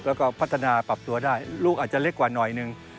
แล้วก็พัฒนาปรับตัวได้ลูกอาจจะเล็กกว่าหน่อยหนึ่ง